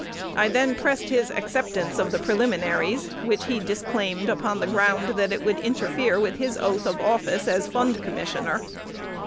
I then pressed his acceptance of the preliminaries, which he disclaimed upon the ground that it would interfere with his oath of office as Fund Commissioner.